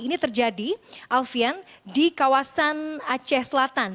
ini terjadi alfian di kawasan aceh selatan